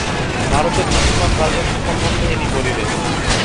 ভারতের মুসলমান রাজত্ব সম্বন্ধে ইনি বলিলেন।